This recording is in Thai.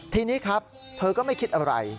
ทีนี้ครับเธอก็ไม่คิดอะไร